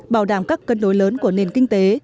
bảo đảm các cân đối lớn của nền kinh tế